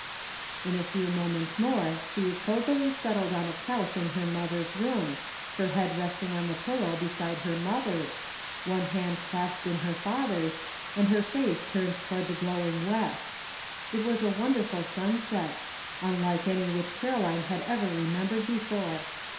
In a few moments more she was cosily settled on a couch in her mother's room, her head rest ing on the pillow beside her mother's, one hand clasped in her father's, and her face turned toward the glowing west. It was a wonderful sunset — unlike any which Caroline had ever remembered before.